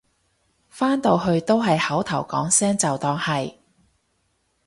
返到去都係口頭講聲就當係